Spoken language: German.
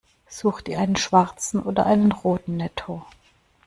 Sucht ihr einen schwarzen oder einen roten Netto?